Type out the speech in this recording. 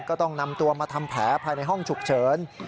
ก็ต้องนำตัวมาทำแผลภายในห้องฉุกเฉิน